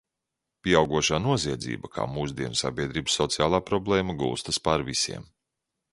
Pieaugošā noziedzība kā mūsdienu sabiedrības sociālā problēma gulstas pār visiem.